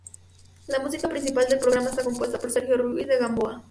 La música principal del programa está compuesta por Sergio Ruiz de Gamboa.